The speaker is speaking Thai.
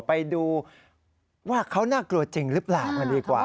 ไปดูว่าเขาน่ากลัวจริงหรือเปล่ากันดีกว่า